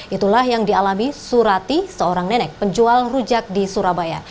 itulah yang dialami surati seorang nenek penjual rujak di surabaya